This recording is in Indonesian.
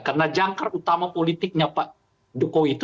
karena jangkar utama politiknya pak jokowi itu